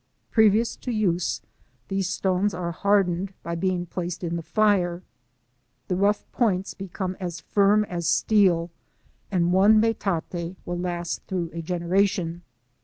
Previous to use these stones are hardened by being placed in the fire. The rough points become as firn as steel, and one metate will last through a generation.